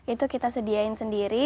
itu kita sediain sendiri